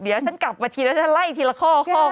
เดี๋ยวฉันกลับมาทีแล้วฉันไล่ทีละข้อ